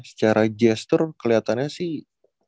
secara gesture kelihatannya sih